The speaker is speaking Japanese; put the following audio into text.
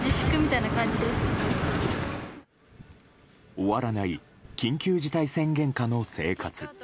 終わらない緊急事態宣言下の生活。